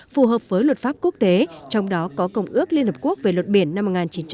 phù hợp với luật pháp quốc tế trong đó có công ước liên hợp quốc về luật biển năm một nghìn chín trăm tám mươi hai